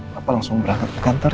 papa langsung berangkat ke kantor ya